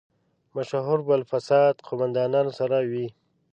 مشهور بالفساد قوماندانانو سره وي.